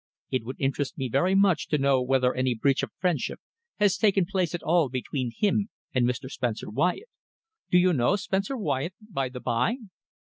It would interest me very much to know whether any breach of friendship has taken place at all between him and Mr. Spencer Wyatt. Do you know Spencer Wyatt, by the by?"